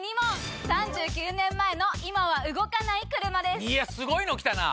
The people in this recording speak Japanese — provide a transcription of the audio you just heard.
８１万⁉いやすごいの来たな！